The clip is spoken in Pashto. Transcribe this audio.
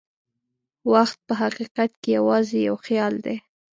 وخت په حقیقت کې یوازې یو خیال دی.